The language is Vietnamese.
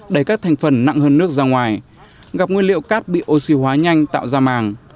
đẩy các thành phần nặng hơn nước ra ngoài gặp nguyên liệu cát bị oxy hóa nhanh tạo ra màng